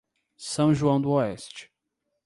São João do Oeste